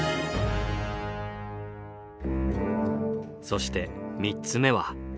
そして３つ目は。